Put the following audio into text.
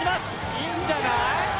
いいんじゃない？